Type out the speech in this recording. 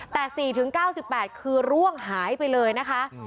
แต่๔๙๘คือร่วงหายไปเลยนะคะ